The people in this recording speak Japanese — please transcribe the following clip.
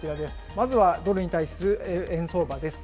まずはドルに対する円相場です。